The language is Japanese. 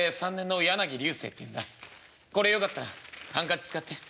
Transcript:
これよかったらハンカチ使って。